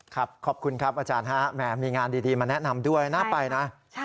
ขอบคุณครับอาจารย์ฮะแหมมีงานดีมาแนะนำด้วยน่าไปนะ